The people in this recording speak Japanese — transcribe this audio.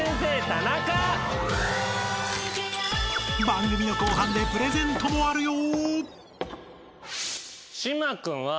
［番組の後半でプレゼントもあるよ］